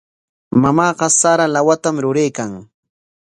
Mamaaqa sara lawatam ruraykan.